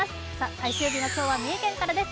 最終日の今日は三重県からです。